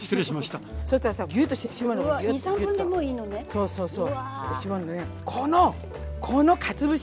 そうそうそう。